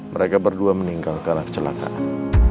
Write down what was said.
mereka berdua meninggal karena kecelakaan